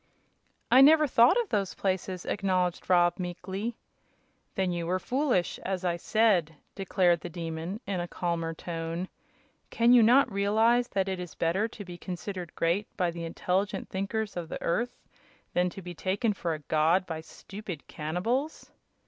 "I never thought of those places," acknowledged Rob, meekly. "Then you were foolish, as I said," declared the Demon, in a calmer tone. "Can you not realize that it is better to be considered great by the intelligent thinkers of the earth, than to be taken for a god by stupid cannibals?"